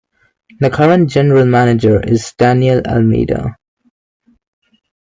The current general manager is Daniel Almeida.